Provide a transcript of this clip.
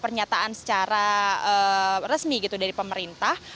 pernyataan secara resmi gitu dari pemerintah